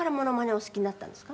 お好きになったんですか？」